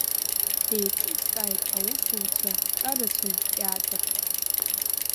Еиҿыскааит аусуцәа ҿарацәа ртеатр.